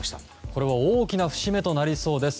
これは大きな節目となりそうです。